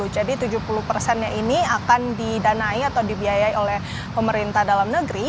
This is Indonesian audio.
jadi tujuh puluh nya ini akan didanai atau dibiayai oleh pemerintah dalam negeri